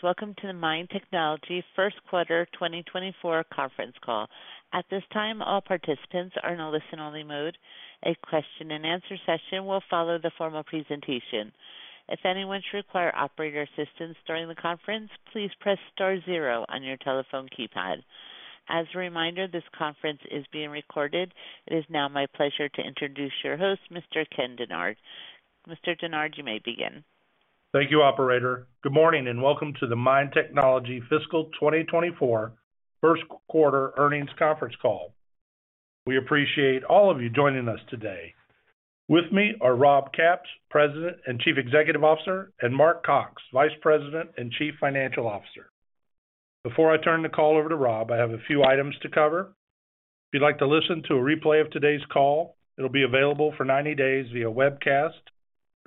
Welcome to the MIND Technology first quarter 2024 conference call. At this time, all participants are in a listen-only mode. A question-and-answer session will follow the formal presentation. If anyone should require operator assistance during the conference, please press star zero on your telephone keypad. As a reminder, this conference is being recorded. It is now my pleasure to introduce your host, Mr. Ken Dennard. Mr. Dennard, you may begin. Thank you, operator. Good morning, and welcome to the MIND Technology Fiscal 2024 first quarter earnings conference call. We appreciate all of you joining us today. With me are Rob Capps, President and Chief Executive Officer, and Mark Cox, Vice President and Chief Financial Officer. Before I turn the call over to Rob, I have a few items to cover. If you'd like to listen to a replay of today's call, it'll be available for 90 days via webcast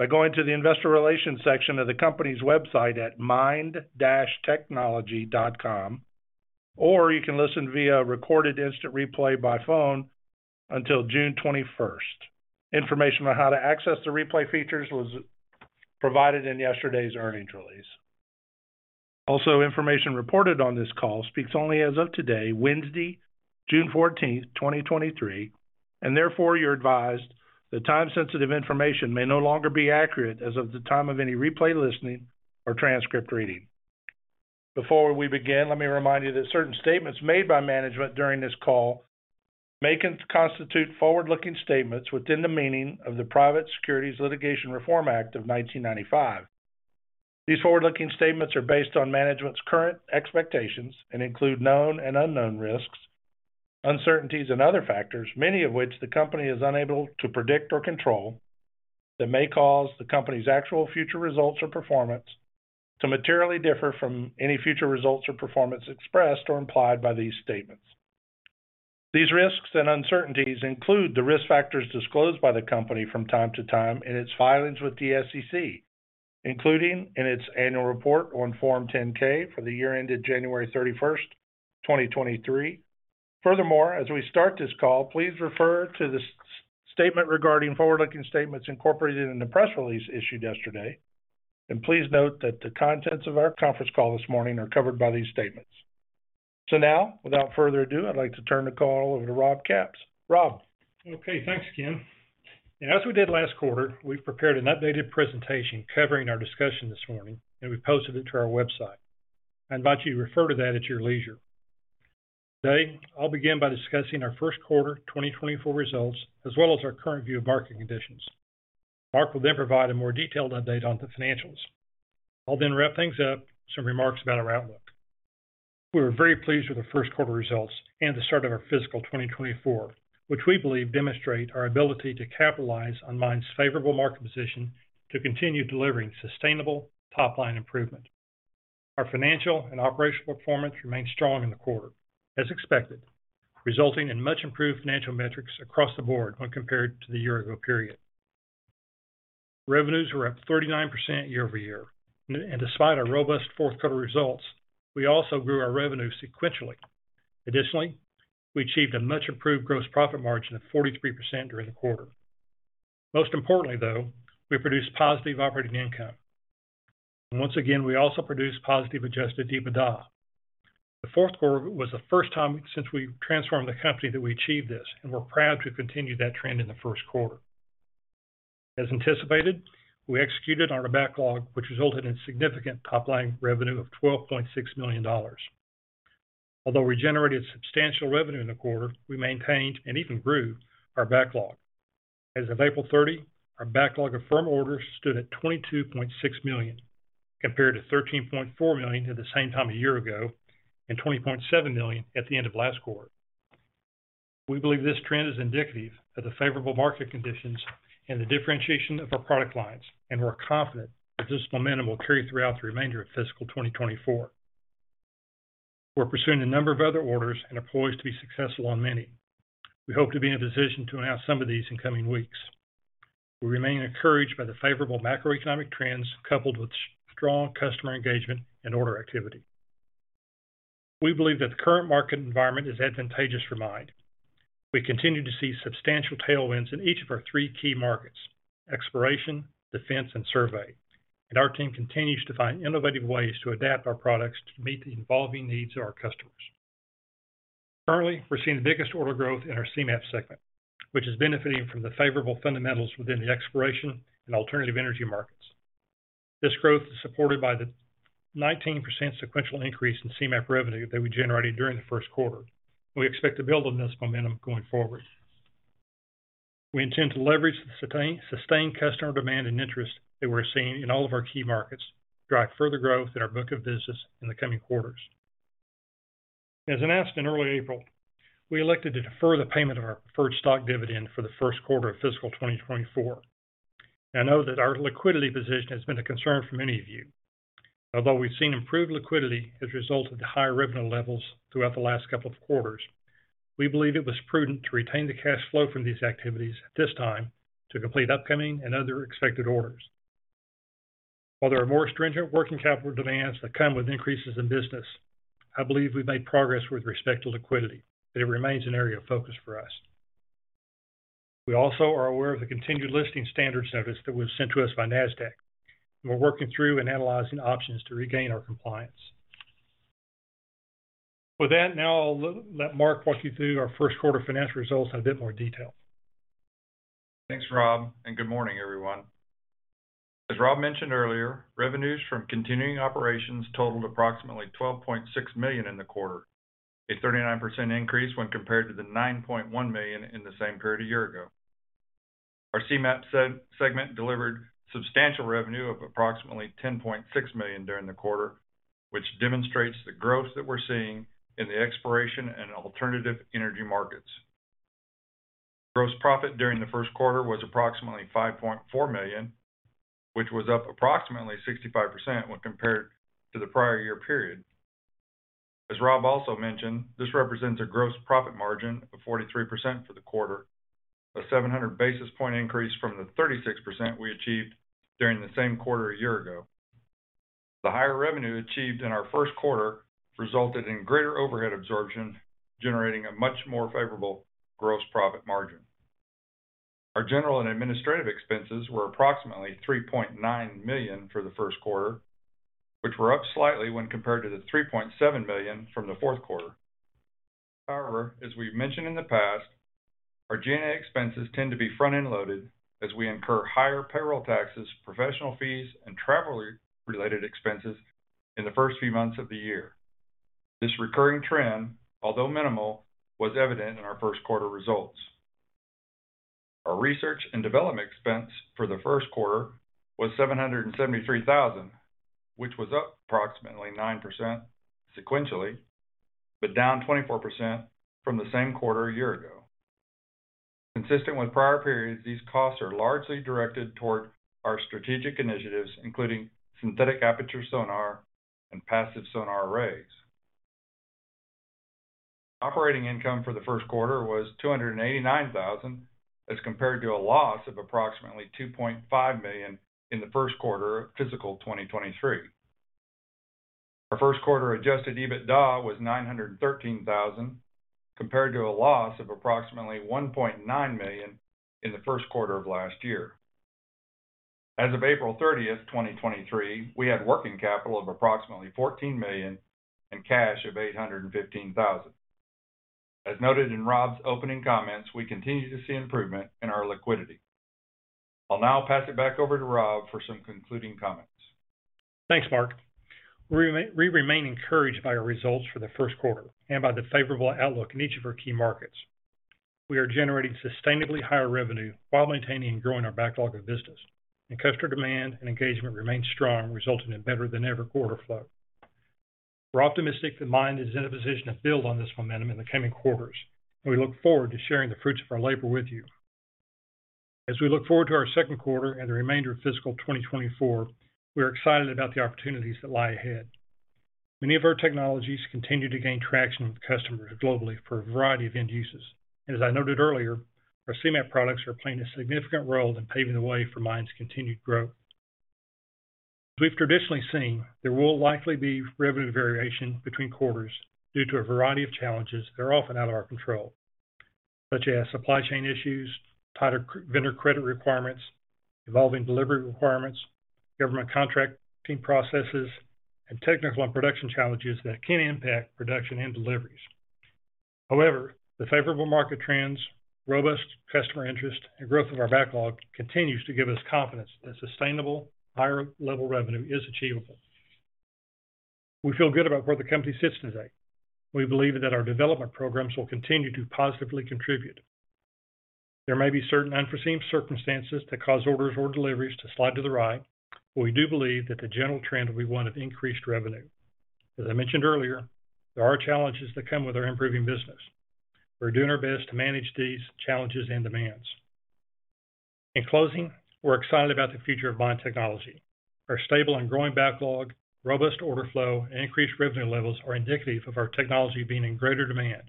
by going to the investor relations section of the company's website at mind-technology.com, or you can listen via recorded instant replay by phone until June 21st. Information on how to access the replay features was provided in yesterday's earnings release. Also, information reported on this call speaks only as of today, Wednesday, June 14, 2023, and therefore, you're advised that time-sensitive information may no longer be accurate as of the time of any replay listening or transcript reading. Before we begin, let me remind you that certain statements made by management during this call may constitute forward-looking statements within the meaning of the Private Securities Litigation Reform Act of 1995. These forward-looking statements are based on management's current expectations and include known and unknown risks, uncertainties, and other factors, many of which the company is unable to predict or control, that may cause the company's actual future results or performance to materially differ from any future results or performance expressed or implied by these statements. These risks and uncertainties include the risk factors disclosed by the company from time to time in its filings with the SEC, including in its annual report on Form 10-K for the year ended January 31st, 2023. As we start this call, please refer to the statement regarding forward-looking statements incorporated in the press release issued yesterday. Please note that the contents of our conference call this morning are covered by these statements. Now, without further ado, I'd like to turn the call over to Rob Capps. Rob? Okay, thanks, Ken. As we did last quarter, we've prepared an updated presentation covering our discussion this morning, and we posted it to our website. I invite you to refer to that at your leisure. Today, I'll begin by discussing our first quarter 2024 results, as well as our current view of market conditions. Mark will then provide a more detailed update on the financials. I'll then wrap things up with some remarks about our outlook. We were very pleased with the first quarter results and the start of our fiscal 2024, which we believe demonstrate our ability to capitalize on Mind's favorable market position to continue delivering sustainable top-line improvement. Our financial and operational performance remained strong in the quarter, as expected, resulting in much improved financial metrics across the board when compared to the year ago period. Revenues were up 39% year over year, and despite our robust fourth quarter results, we also grew our revenue sequentially. Additionally, we achieved a much improved gross profit margin of 43% during the quarter. Most importantly, though, we produced positive operating income. Once again, we also produced positive adjusted EBITDA. The fourth quarter was the first time since we transformed the company that we achieved this, and we're proud to continue that trend in the first quarter. As anticipated, we executed on our backlog, which resulted in significant top-line revenue of $12.6 million. Although we generated substantial revenue in the quarter, we maintained and even grew our backlog. As of April 30, our backlog of firm orders stood at $22.6 million, compared to $13.4 million at the same time a year ago, and $20.7 million at the end of last quarter. We believe this trend is indicative of the favorable market conditions and the differentiation of our product lines. We're confident that this momentum will carry throughout the remainder of fiscal 2024. We're pursuing a number of other orders and are poised to be successful on many. We hope to be in a position to announce some of these in coming weeks. We remain encouraged by the favorable macroeconomic trends, coupled with strong customer engagement and order activity. We believe that the current market environment is advantageous for MIND. We continue to see substantial tailwinds in each of our three key markets: exploration, defense, and survey. Our team continues to find innovative ways to adapt our products to meet the evolving needs of our customers. Currently, we're seeing the biggest order growth in our CMAP segment, which is benefiting from the favorable fundamentals within the exploration and alternative energy markets. This growth is supported by the 19% sequential increase in CMAP revenue that we generated during the first quarter. We expect to build on this momentum going forward. We intend to leverage the sustained customer demand and interest that we're seeing in all of our key markets to drive further growth in our book of business in the coming quarters. As announced in early April, we elected to defer the payment of our preferred stock dividend for the first quarter of fiscal 2024. I know that our liquidity position has been a concern for many of you. Although we've seen improved liquidity as a result of the higher revenue levels throughout the last couple of quarters, we believe it was prudent to retain the cash flow from these activities at this time to complete upcoming and other expected orders. While there are more stringent working capital demands that come with increases in business, I believe we've made progress with respect to liquidity, but it remains an area of focus for us. We also are aware of the continued listing standards notice that was sent to us by NASDAQ. We're working through and analyzing options to regain our compliance. With that, now I'll let Mark walk you through our first quarter financial results in a bit more detail. Thanks, Rob. Good morning, everyone. As Rob mentioned earlier, revenues from continuing operations totaled approximately $12.6 million in the quarter, a 39% increase when compared to the $9.1 million in the same period a year ago. Our CMAP segment delivered substantial revenue of approximately $10.6 million during the quarter, which demonstrates the growth that we're seeing in the exploration and alternative energy markets. Gross profit during the first quarter was approximately $5.4 million, which was up approximately 65% when compared to the prior year period. As Rob also mentioned, this represents a gross profit margin of 43% for the quarter, a 700 basis point increase from the 36% we achieved during the same quarter a year ago. The higher revenue achieved in our first quarter resulted in greater overhead absorption, generating a much more favorable gross profit margin. Our general and administrative expenses were approximately $3.9 million for the first quarter, which were up slightly when compared to the $3.7 million from the fourth quarter. As we've mentioned in the past, our G&A expenses tend to be front-end loaded as we incur higher payroll taxes, professional fees, and travel-related expenses in the first few months of the year. This recurring trend, although minimal, was evident in our first quarter results. Our research and development expense for the first quarter was $773,000, which was up approximately 9% sequentially, but down 24% from the same quarter a year ago. Consistent with prior periods, these costs are largely directed toward our strategic initiatives, including synthetic aperture sonar and passive sonar arrays. Operating income for the first quarter was $289,000, as compared to a loss of approximately $2.5 million in the first quarter of fiscal 2023. Our first quarter adjusted EBITDA was $913,000, compared to a loss of approximately $1.9 million in the first quarter of last year. As of April 30, 2023, we had working capital of approximately $14 million and cash of $815,000. As noted in Rob's opening comments, we continue to see improvement in our liquidity. I'll now pass it back over to Rob for some concluding comments. Thanks, Mark. We remain encouraged by our results for the first quarter and by the favorable outlook in each of our key markets. We are generating sustainably higher revenue while maintaining and growing our backlog of business. Customer demand and engagement remains strong, resulting in better-than-ever quarter flow. We're optimistic that MIND is in a position to build on this momentum in the coming quarters. We look forward to sharing the fruits of our labor with you. As we look forward to our second quarter and the remainder of fiscal 2024, we are excited about the opportunities that lie ahead. Many of our technologies continue to gain traction with customers globally for a variety of end uses. As I noted earlier, our CMAP products are playing a significant role in paving the way for MIND's continued growth. We've traditionally seen there will likely be revenue variation between quarters due to a variety of challenges that are often out of our control, such as supply chain issues, tighter vendor credit requirements, evolving delivery requirements, government contracting processes, and technical and production challenges that can impact production and deliveries. The favorable market trends, robust customer interest, and growth of our backlog continues to give us confidence that sustainable, higher-level revenue is achievable. We feel good about where the company sits today. We believe that our development programs will continue to positively contribute. There may be certain unforeseen circumstances that cause orders or deliveries to slide to the right, but we do believe that the general trend will be one of increased revenue. As I mentioned earlier, there are challenges that come with our improving business. We're doing our best to manage these challenges and demands. In closing, we're excited about the future of MIND Technology. Our stable and growing backlog, robust order flow, and increased revenue levels are indicative of our technology being in greater demand.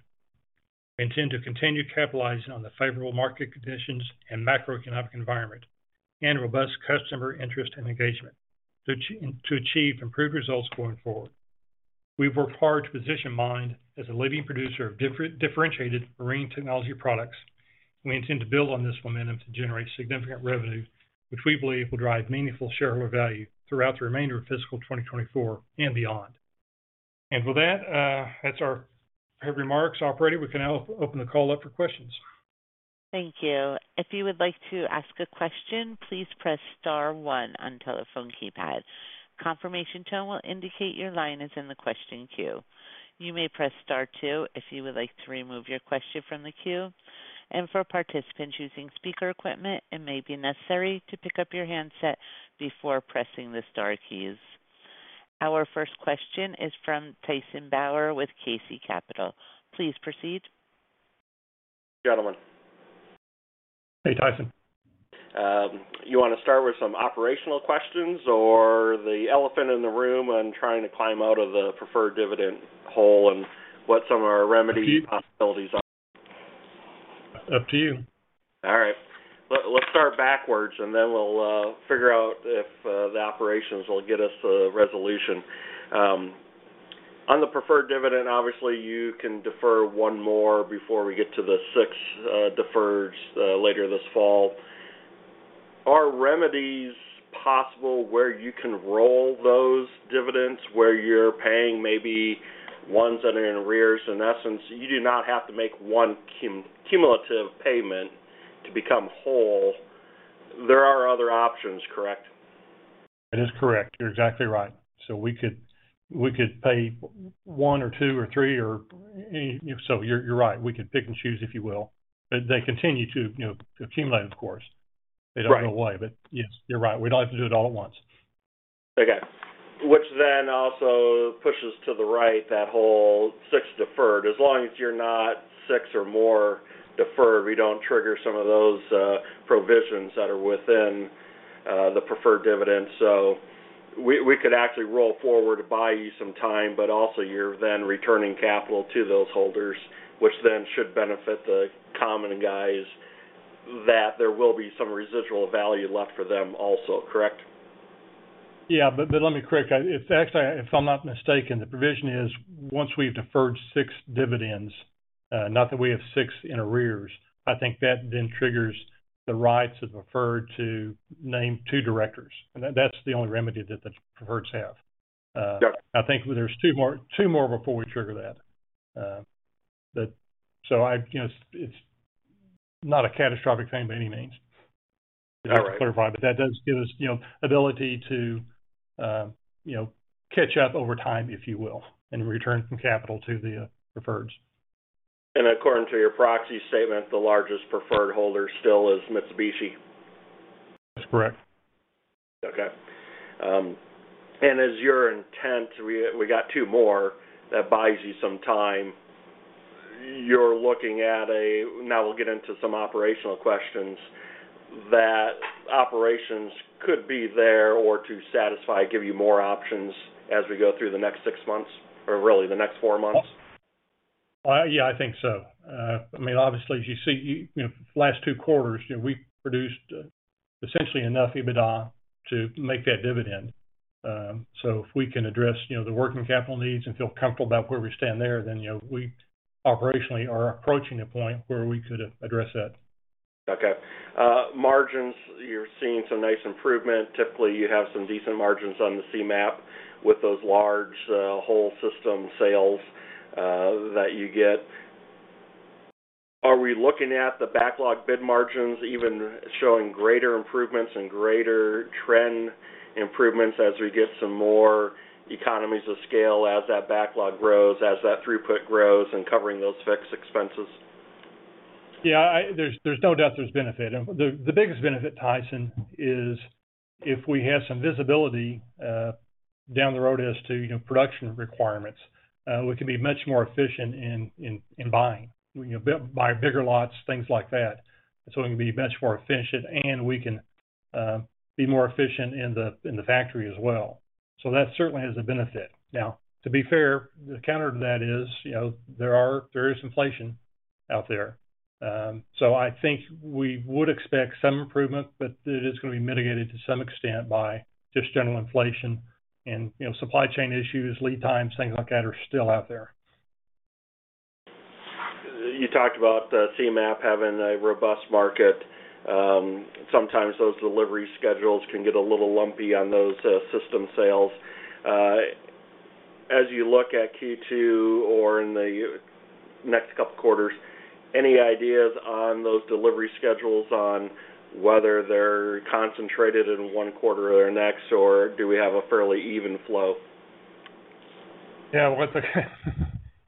We intend to continue capitalizing on the favorable market conditions and macroeconomic environment and robust customer interest and engagement to achieve improved results going forward. We've worked hard to position MIND as a leading producer of differentiated marine technology products, and we intend to build on this momentum to generate significant revenue, which we believe will drive meaningful shareholder value throughout the remainder of fiscal 2024 and beyond. With that's my remarks. Operator, we can now open the call up for questions. Thank you. If you would like to ask a question, please press star 1 on telephone keypad. Confirmation tone will indicate your line is in the question queue. You may press star 2 if you would like to remove your question from the queue. For participants using speaker equipment, it may be necessary to pick up your handset before pressing the star keys. Our first question is from Tyson Bauer with KC Capital. Please proceed. Gentlemen. Hey, Tyson. You want to start with some operational questions, or the elephant in the room on trying to climb out of the preferred dividend hole and what some of our remedy possibilities are? Up to you. All right. Let's start backwards, and then we'll figure out if the operations will get us a resolution. On the preferred dividend, obviously, you can defer 1 more before we get to the 6 deferreds later this fall. Are remedies possible where you can roll those dividends, where you're paying maybe ones that are in arrears? In essence, you do not have to make 1 cum-cumulative payment to become whole. There are other options, correct? That is correct. You're exactly right. We could pay one or two or three or any... You're right, we could pick and choose, if you will. They continue to, you know, accumulate, of course. Right. They don't go away. Yes, you're right, we don't have to do it all at once. Okay. Which also pushes to the right, that whole 6 deferred. As long as you're not 6 or more deferred, we don't trigger some of those provisions that are within the preferred dividend. We could actually roll forward to buy you some time, but also you're then returning capital to those holders, which then should benefit the common guys, that there will be some residual value left for them also, correct? Let me correct. actually, if I'm not mistaken, the provision is, once we've deferred six dividends, not that we have six in arrears, I think that then triggers the rights of preferred to name two directors. That's the only remedy that the preferreds have. Got it. I think there's two more before we trigger that. You know, it's not a catastrophic thing by any means. All right. To clarify, but that does give us, you know, ability to, you know, catch up over time, if you will, and return some capital to the preferreds. According to your proxy statement, the largest preferred holder still is Mitsubishi? That's correct. Okay. Is your intent, we got two more, that buys you some time. You're looking at some operational questions, that operations could be there or to satisfy, give you more options as we go through the next six months or really, the next four months? Yeah, I think so. I mean, obviously, as you see, you know, last two quarters, you know, we produced essentially enough EBITDA to make that dividend. If we can address, you know, the working capital needs and feel comfortable about where we stand there, then, you know, we operationally are approaching a point where we could address that. Okay. Margins, you're seeing some nice improvement. Typically, you have some decent margins on the Seamap with those large, whole system sales that you get. Are we looking at the backlog bid margins even showing greater improvements and greater trend improvements as we get some more economies of scale, as that backlog grows, as that throughput grows and covering those fixed expenses? Yeah, there's no doubt there's benefit. The biggest benefit, Tyson, is if we have some visibility down the road as to, you know, production requirements, we can be much more efficient in buying. We can buy bigger lots, things like that, so we can be much more efficient and we can be more efficient in the factory as well. That certainly is a benefit. Now, to be fair, the counter to that is, you know, there is inflation out there. I think we would expect some improvement, but it is going to be mitigated to some extent by just general inflation and, you know, supply chain issues, lead times, things like that are still out there. You talked about, Seamap having a robust market. Sometimes those delivery schedules can get a little lumpy on those system sales. As you look at Q2 or in the next couple quarters, any ideas on those delivery schedules, on whether they're concentrated in one quarter or the next, or do we have a fairly even flow? Well,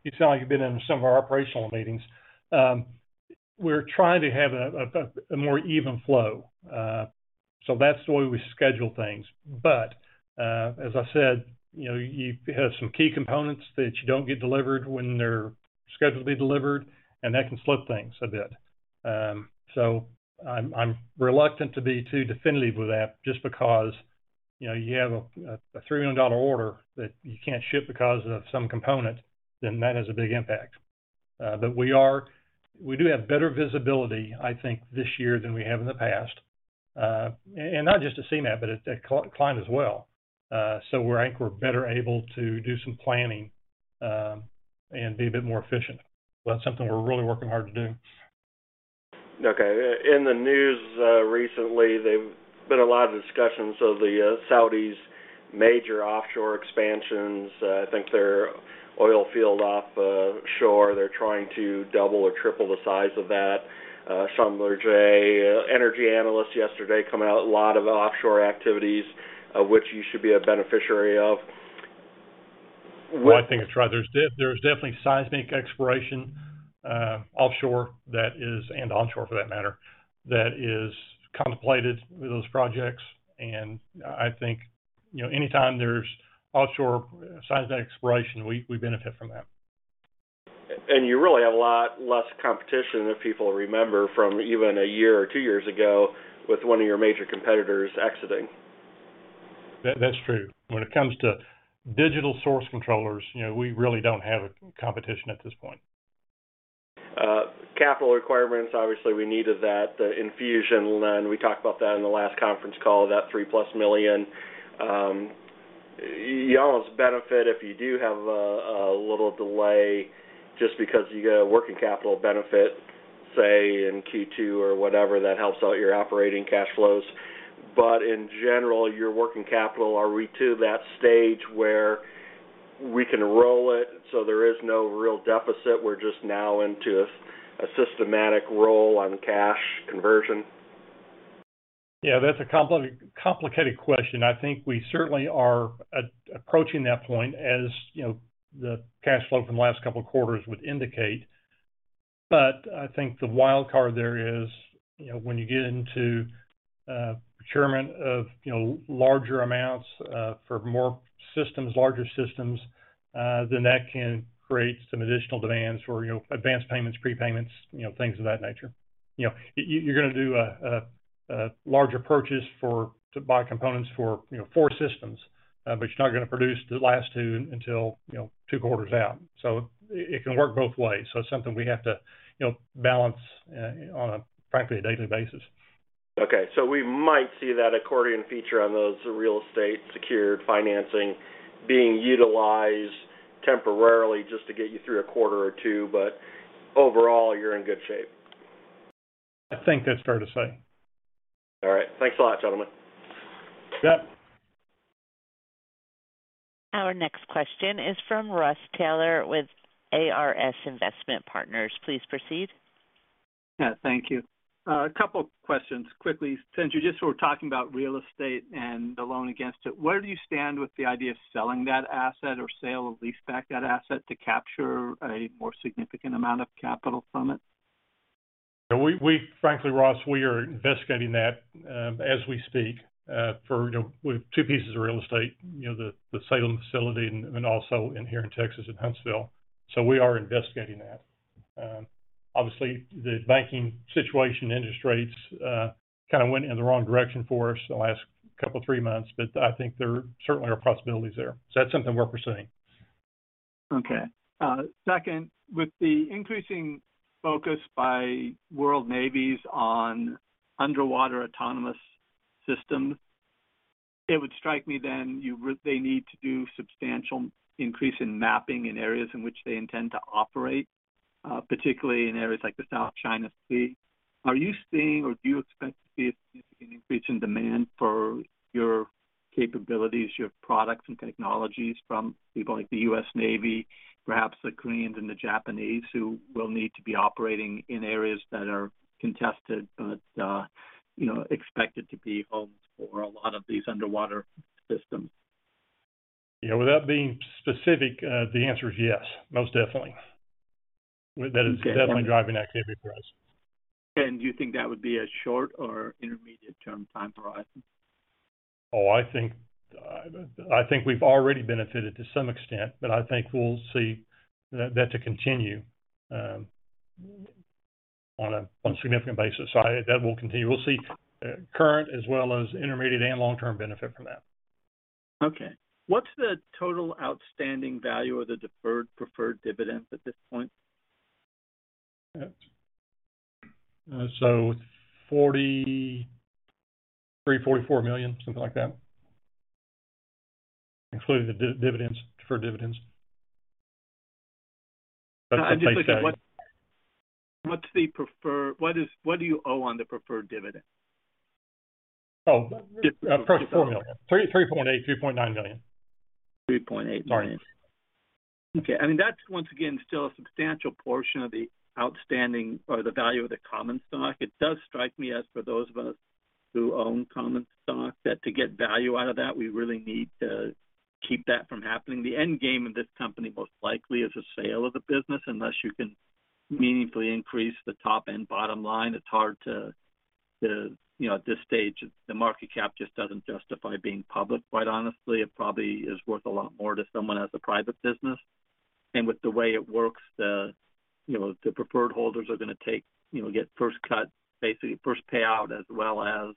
it sound like you've been in some of our operational meetings. We're trying to have a more even flow. That's the way we schedule things. As I said, you know, you have some key components that you don't get delivered when they're scheduled to be delivered, and that can slip things a bit. I'm reluctant to be too definitive with that just because, you know, you have a $3 million order that you can't ship because of some component, that has a big impact. We do have better visibility, I think, this year than we have in the past. Not just at Seamap, but at klein as well. I think we're better able to do some planning, and be a bit more efficient. That's something we're really working hard to do. Okay. In the news, recently, there've been a lot of discussions of the Saudis' major offshore expansions. I think their oil field offshore, they're trying to double or triple the size of that. Some large energy analyst yesterday coming out, a lot of offshore activities, which you should be a beneficiary of. Well, I think that's right. There's definitely seismic exploration, offshore, that is, and onshore, for that matter, that is contemplated with those projects. I think, you know, anytime there's offshore seismic exploration, we benefit from that. You really have a lot less competition than people remember from even a year or two years ago, with one of your major competitors exiting. That's true. When it comes to digital source controllers, you know, we really don't have a competition at this point. Capital requirements, obviously, we needed that, the infusion, and we talked about that in the last conference call, that $3+ million. You almost benefit if you do have a little delay just because you get a working capital benefit, say, in Q2 or whatever, that helps out your operating cash flows. In general, your working capital, are we to that stage where we can roll it, so there is no real deficit? We're just now into a systematic roll on cash conversion? Yeah, that's a complicated question. I think we certainly are approaching that point, as, you know, the cash flow from the last couple of quarters would indicate. I think the wild card there is, you know, when you get into procurement of, you know, larger amounts for more systems, larger systems, then that can create some additional demands for, you know, advanced payments, prepayments, you know, things of that nature. You know, you're gonna do a larger purchase to buy components for, you know, 4 systems, but you're not gonna produce the last 2 until, you know, 2 quarters out. It can work both ways. It's something we have to, you know, balance on a, frankly, a daily basis. Okay, we might see that accordion feature on those real estate secured financing being utilized temporarily just to get you through a quarter or two, but overall, you're in good shape? I think that's fair to say. All right. Thanks a lot, gentlemen. Yep. Our next question is from Ross Taylor with ARS Investment Partners. Please proceed. Yeah, thank you. A couple questions quickly. Since you just were talking about real estate and the loan against it, where do you stand with the idea of selling that asset or sale or lease back that asset to capture a more significant amount of capital from it? We frankly, Ross, we are investigating that, as we speak, for, you know, with 2 pieces of real estate, you know, the Salem facility and also in here in Texas, in Huntsville. We are investigating that. Obviously, the banking situation, interest rates, kind of went in the wrong direction for us the last couple, 3 months, but I think there certainly are possibilities there. That's something we're pursuing. Okay. Second, with the increasing focus by world navies on underwater autonomous systems, it would strike me then, they need to do substantial increase in mapping in areas in which they intend to operate, particularly in areas like the South China Sea. Are you seeing or do you expect to see a significant increase in demand for your capabilities, your products and technologies from people like the US Navy, perhaps the Koreans and the Japanese, who will need to be operating in areas that are contested, but, you know, expected to be home for a lot of these underwater systems? Yeah, without being specific, the answer is yes, most definitely. Okay. That is definitely driving that capability. Do you think that would be a short or intermediate-term time horizon? I think we've already benefited to some extent, but I think we'll see that to continue, on a significant basis. That will continue. We'll see, current as well as intermediate and long-term benefit from that. Okay. What's the total outstanding value of the deferred preferred dividend at this point? $43 million-$44 million, something like that, including the dividends, preferred dividends. I'm just looking at what's the preferred. What do you owe on the preferred dividend? Approximately $4 million. $3.8 million, $3.9 million. $3.8 million. Sorry. Okay. I mean, that's, once again, still a substantial portion of the outstanding or the value of the common stock. It does strike me as for those of us who own common stock, that to get value out of that, we really need to keep that from happening. The end game of this company, most likely, is a sale of the business, unless you can meaningfully increase the top and bottom line. It's hard to, you know, at this stage, the market cap just doesn't justify being public, quite honestly. It probably is worth a lot more to someone as a private business. With the way it works, the, you know, the preferred holders are gonna take, you know, get first cut, basically, first payout, as well as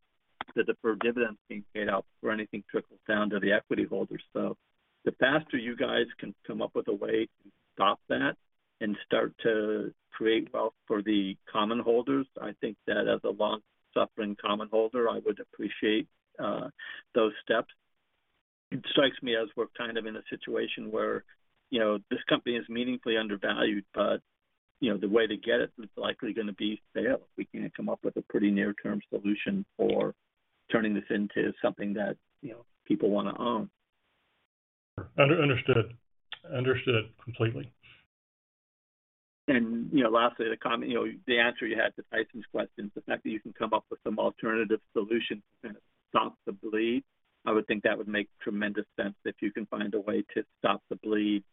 the deferred dividends being paid out before anything trickles down to the equity holders. The faster you guys can come up with a way to stop that and start to create wealth for the common holders, I think that as a long-suffering common holder, I would appreciate those steps. It strikes me as we're kind of in a situation where, you know, this company is meaningfully undervalued, but, you know, the way to get it is likely gonna be sale. We can't come up with a pretty near-term solution for turning this into something that, you know, people wanna own. Understood. Understood completely. You know, lastly, you know, the answer you had to Tyson Bauer's questions, the fact that you can come up with some alternative solution to kind of stop the bleed, I would think that would make tremendous sense if you can find a way to stop the bleed.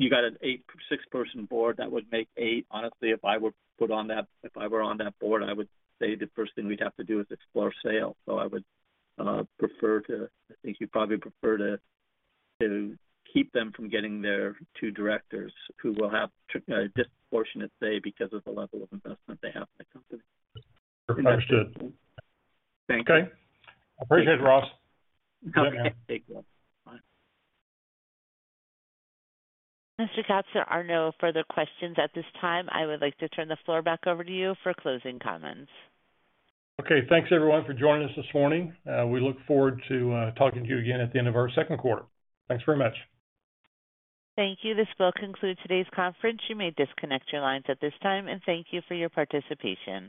You got a 6-person board that would make 8. Honestly, if I were on that board, I would say the first thing we'd have to do is explore sale. I think you'd probably prefer to keep them from getting their 2 directors, who will have a disproportionate say because of the level of investment they have in the company. Understood. Thank you. Okay. Appreciate it, Ross. Okay, thank you. Bye. Rob Capps, there are no further questions at this time. I would like to turn the floor back over to you for closing comments. Okay, thanks everyone for joining us this morning. We look forward to talking to you again at the end of our second quarter. Thanks very much. Thank you. This will conclude today's conference. You may disconnect your lines at this time, and thank you for your participation.